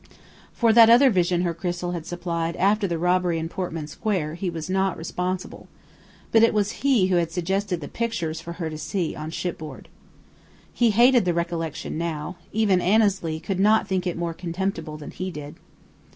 For that other vision her crystal had supplied after the robbery in Portman Square he was not responsible; but it was he who had suggested the "pictures" for her to see on shipboard. He hated the recollection now. Even Annesley could not think it more contemptible than he did.